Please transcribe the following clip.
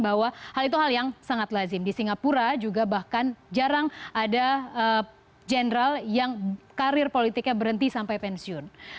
bahwa hal itu hal yang sangat lazim di singapura juga bahkan jarang ada general yang karir politiknya berhenti sampai pensiun